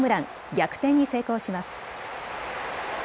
逆転に成功します。